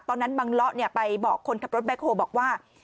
ตอนนั้นบังเลาะไปบอกคนทัพรถแบคโฮบอกว่า